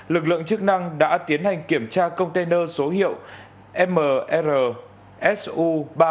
lực lượng chức năng đã tiến hành kiểm tra container số hiệu mrsu ba nghìn chín mươi bốn tám trăm bốn mươi ba